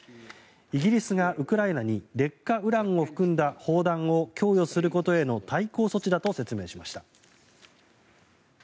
イギリスがウクライナに劣化ウランを含んだ砲弾を供与することへの対抗措置だと説明しました。